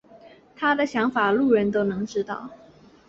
他的想法路人都能知道了。